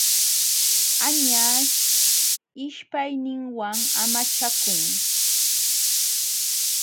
Añaśh ishpayninwan amachakun.